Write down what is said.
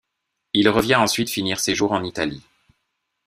Il revient ensuite finir ses jours en Italie.